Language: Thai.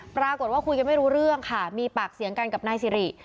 ปรากฏว่าคุยกันไม่รู้เรื่องค่ะมีปากเสียงกันกับนายสิริ